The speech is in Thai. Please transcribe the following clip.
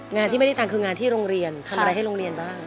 งานที่ไม่ได้ตังค์คืองานที่โรงเรียนทำอะไรให้โรงเรียนบ้าง